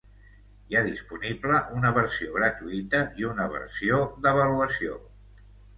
Hi ha disponible una versió gratuïta i una versió d'avaluació.